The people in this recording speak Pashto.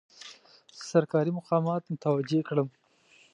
سرکاري مقامات متوجه کړم.